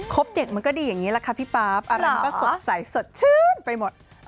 เด็กมันก็ดีอย่างนี้แหละค่ะพี่ป๊าบอะไรมันก็สดใสสดชื่นไปหมด